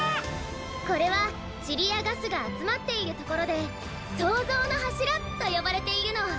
これはチリやガスがあつまっているところで「そうぞうのはしら」とよばれているの。